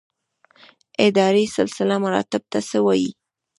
اداري سلسله مراتب څه ته وایي؟